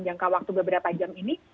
jangka waktu beberapa jam ini